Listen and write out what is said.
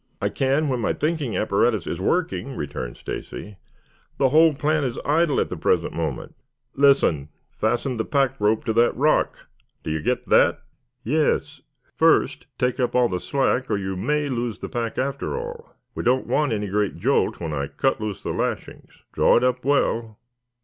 "I can when my thinking apparatus is working," returned Stacy. "The whole plant is idle at the present moment." "Listen! Fasten the pack rope to that rock. Do you get that?" "Yes." "First take up all the slack or you may lose the pack after all. We don't want any great jolt when I cut loose the lashings. Draw it up well.